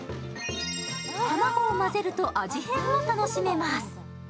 卵を混ぜると味変を楽しめます。